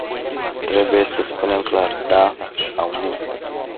Trebuie să spunem clar "da” sau "nu”.